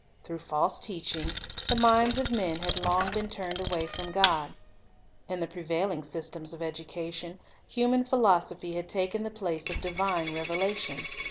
Through false teaching, the minds of men had long been turned away from God. In the prevailing systems of education, human philos ophy had taken the place of divine revelation.